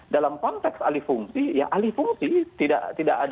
dalam konteks alifungsi ya alifungsi tidak ada tindakan